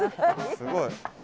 すごい。